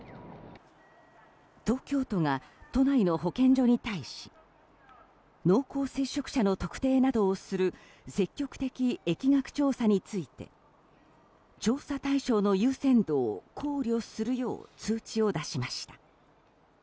東京都が、都内の保健所に対し濃厚接触者の特定などをする積極的疫学調査について調査対象の優先度を考慮するよう通知を出しました。